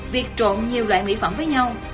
việc trộn nhiều loại mỹ phẩm với nhau